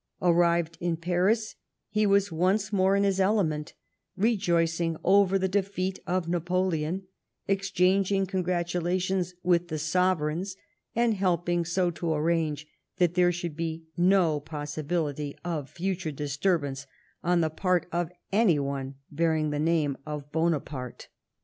Arrived in Paris, he was once more in his element, rejoicing over the defeat of Napoleon, exchanging con gratulations with the Sovereigns, and helping so to arrange that there should be no possibility of future disturbance on the part of any one bearing the name of Bonaparte.